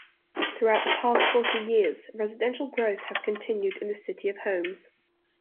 Throughout the past forty years, residential growth has continued in the City of Homes.